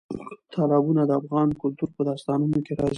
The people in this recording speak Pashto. تالابونه د افغان کلتور په داستانونو کې راځي.